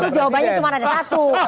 nah itu jawabannya cuma ada satu